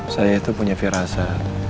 saya itu punya firasa